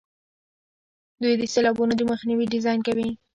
دوی د سیلابونو د مخنیوي ډیزاین کوي.